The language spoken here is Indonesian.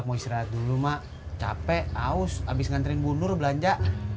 maksud kamu bayi kok keringin moga ini ya